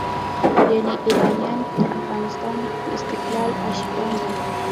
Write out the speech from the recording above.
یعنې ایرانیان د افغانستان د استقلال عاشقان وو.